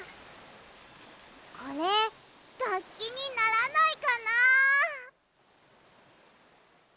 これがっきにならないかな。